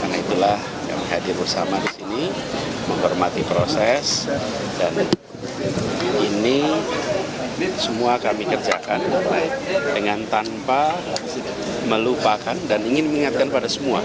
karena itulah yang hadir bersama di sini menghormati proses dan ini semua kami kerjakan dengan tanpa melupakan dan ingin mengingatkan pada semua